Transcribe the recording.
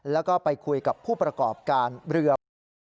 แล้วก็ไปคุยกับผู้ประกอบการเรือประมง